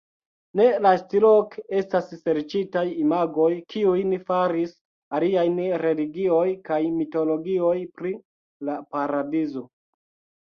Ne lastloke estas serĉitaj imagoj, kiujn faris aliaj religioj kaj mitologioj pri la paradizo.